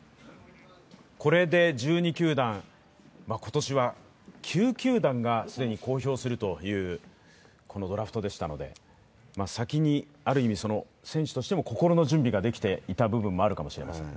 これで１２球団、今年は９球団が既に公表するというこのドラフトでしたので先に選手としても心の準備ができていた部分があるかもしれません。